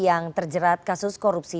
yang terjerat kasus korupsi